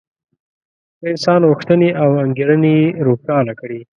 د انسان غوښتنې او انګېرنې یې روښانه کړې.